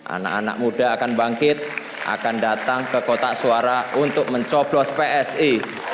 anak anak muda akan bangkit akan datang ke kotak suara untuk mencoblos psi